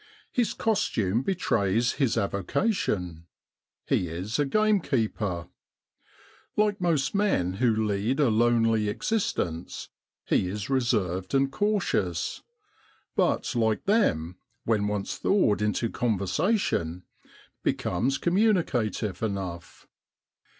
His costume betrays his avocation. He is a game keeper. Like most men who lead a lonely existence, he is reserved and cautious, but like them, when once thawed into conversation, becomes communica tive enough.